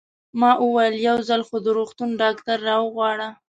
ما وویل: یو ځل خو د روغتون ډاکټر را وغواړه.